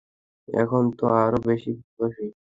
এখন তো আরো বেশি ভালোবাসি।